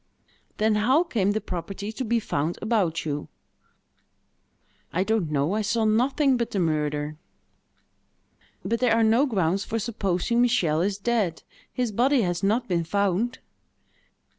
"Then how came the property to be found about you?" "I don't know: I saw nothing but the murder." "But there are no grounds for supposing Michel is dead: his body has not been found."